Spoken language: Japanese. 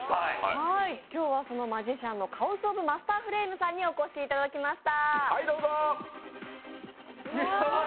今日はそのマジシャンのカオスオブマスターフレイムさんにお越しいただきました。